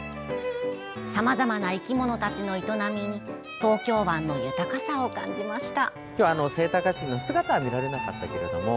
さまざまな生き物たちの営みに東京湾の豊かさを感じました。